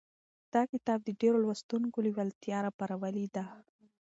دا کتاب د ډېرو لوستونکو لېوالتیا راپارولې ده.